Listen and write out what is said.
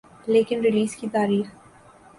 لیکن ریلیز کی تاریخ